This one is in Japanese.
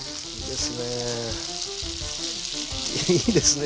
いいですね。